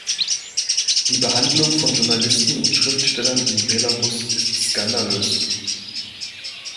Die Behandlung von Journalisten und Schriftstellern in Belarus ist skandalös.